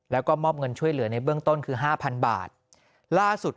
แล้วก็มอบเงินช่วยเหลือในเบื้องต้นคือห้าพันบาทล่าสุด